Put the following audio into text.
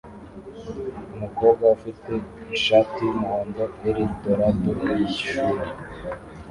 Umukobwa ufite ishati yumuhondo EL Dorado Yishuri